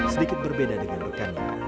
sedikit berbeda dengan bekannya